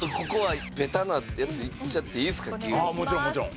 もちろんもちろん。